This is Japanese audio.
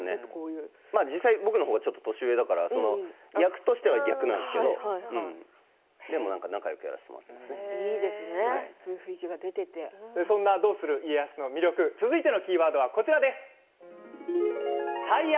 実際、僕の方がちょっと年上だからそういう雰囲気が出ていてそんな「どうする家康」の魅力、続いてのキーワードはこちらです。